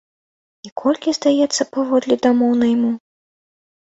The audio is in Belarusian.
І колькі здаецца паводле дамоў найму?